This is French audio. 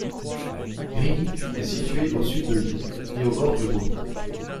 Grigny est située au sud de Lyon et au bord du Rhône.